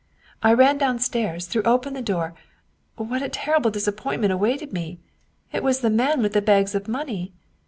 I ran downstairs, threw open the door what a terrible dis appointment awaited me! It was the man with the bags of money.